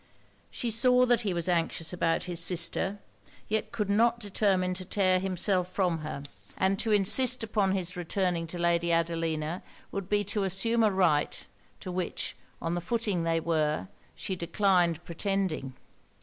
She saw that he was anxious about his sister, yet could not determine to tear himself from her; and to insist upon his returning to Lady Adelina, would be to assume a right, to which, on the footing they were, she declined pretending.